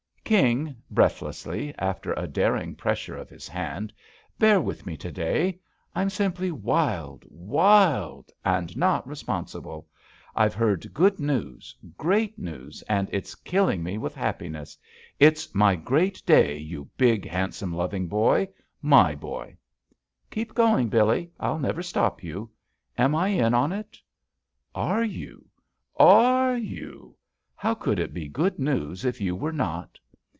"King," breathlessly, after a daring pres sure of his hand, "bear with me to day. I'm simply wild, wild/ and not responsible. I've heard good news, great news, and it's killing me with happiness. It's my great day, you big, handsome, loving boy I — ^my boy I" "Keep going, Billee, I'll never stop you. Am I in on it?" ^ JUST SWEETHEARTS ^ "Are you? Are you? How could it be good news if you were not?"